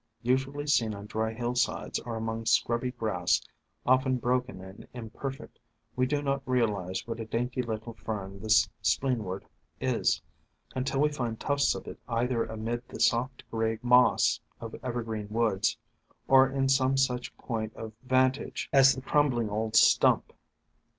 Usu ally seen on dry hillsides or among scrubby grass, often broken and imperfect, we do not realize what a dainty little Fern this Spleenwort is, until 2l8 THE FANTASIES OF FERNS we find tufts of it either amid the soft gray moss of Evergreen woods, or in some such point of vantage as the crumbling old stump.